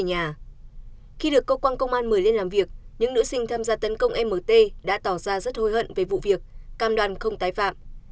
những nữ sinh tham gia tấn công mt đã tỏ ra rất hối hận về vụ việc cam đoàn không tái phạm